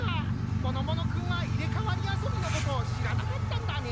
ぼのぼの君は入れ替わり遊びのことを知らなかったんだね。